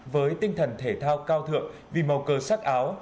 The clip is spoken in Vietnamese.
với tinh thần thể thao cao thượng vì màu cờ sắc áo